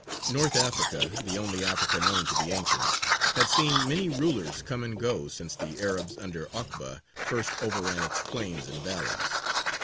North Africa the only Africa known to the ancients had seen many rulers come and go since the Arabs under Okba first overran its plains and valleys.